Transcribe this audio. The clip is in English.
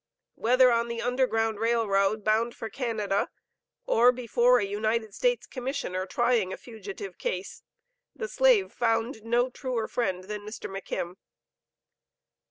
Whether on the Underground Rail Road bound for Canada, or before a United States commissioner trying a fugitive case, the slave found no truer friend than Mr. McKim.